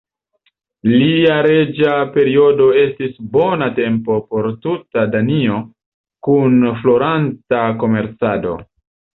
Lia reĝa periodo estis bona tempo por tuta Danio kun floranta komercado.